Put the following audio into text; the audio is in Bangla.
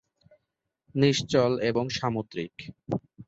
নিশ্চল এবং সামুদ্রিক।